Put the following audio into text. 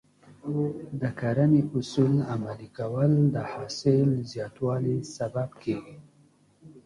د کرنې اصول عملي کول د حاصل زیاتوالي سبب کېږي.